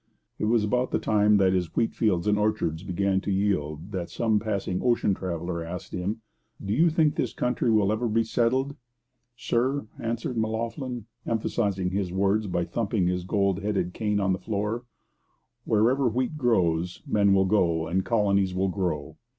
It was about the time that his wheat fields and orchards began to yield that some passing ocean traveller asked him: 'Do you think this country will ever be settled?' 'Sir,' answered M'Loughlin, emphasizing his words by thumping his gold headed cane on the floor, 'wherever wheat grows, men will go, and colonies will grow.'